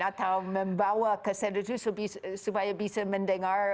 atau membawa kaset itu supaya bisa mendengar